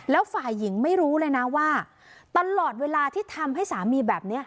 แล้วฝ่ายหญิงไม่รู้เลยนะว่าตลอดเวลาที่ทำให้สามีแบบนี้